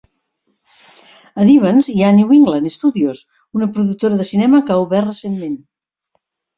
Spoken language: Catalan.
A Devens hi ha New England Studios, una productora de cinema que ha obert recentment.